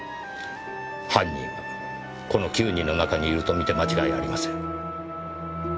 犯人はこの９人の中にいるとみて間違いありません。